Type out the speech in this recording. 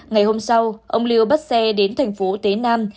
ngày hôm sau ông liêu bắt xe đến thành phố tế nam